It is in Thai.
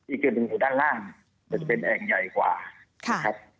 อีกจุดหนึ่งคือด้านล่างจะเป็นแอ่งใหญ่กว่า